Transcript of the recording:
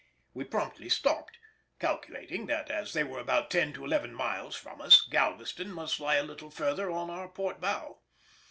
We promptly stopped, calculating that, as they were about ten to eleven miles from us, Galveston must lie a little further on our port bow.